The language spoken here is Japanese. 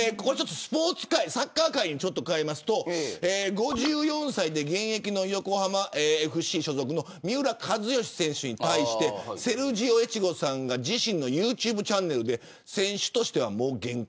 スポーツ界サッカー界に変えますと５４歳で現役の横浜ＦＣ所属の三浦知良選手に対してセルジオ越後さんが自身のＹｏｕＴｕｂｅチャンネルで選手としてはもう限界。